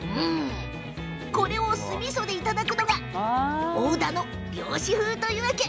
これを酢みそでいただくのが大田の漁師風というわけ。